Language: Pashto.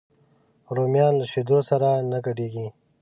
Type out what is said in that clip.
رومیان له شیدو سره نه ګډېږي